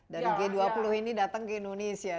dari g dua puluh ini datang ke indonesia